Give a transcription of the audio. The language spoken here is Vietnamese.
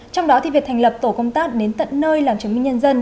trong đó việc thành lập tổ công tác đến tận nơi làm chứng minh nhân dân